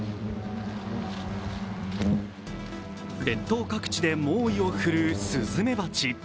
列島各地で猛威を振るうスズメバチ。